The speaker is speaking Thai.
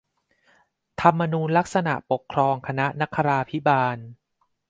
ธรรมนูญลักษณปกครองคณะนคราภิบาล